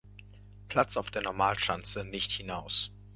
Platz auf der Normalschanze nicht hinaus.